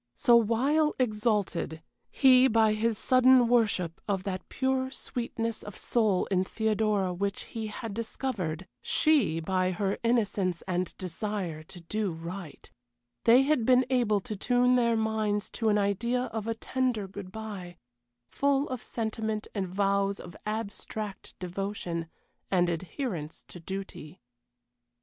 So while exalted he by his sudden worship of that pure sweetness of soul in Theodora which he had discovered, she by her innocence and desire to do right they had been able to tune their minds to an idea of a tender good bye, full of sentiment and vows of abstract devotion, and adherence to duty.